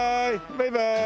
バイバーイ！